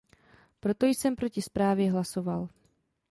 Proto jsem proti zprávě hlasoval.